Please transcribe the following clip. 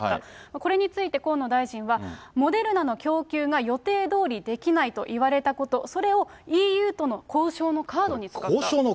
これについて、河野大臣は、モデルナの供給が予定どおりできないと言われたこと、それをＥＵ交渉のカードに使う。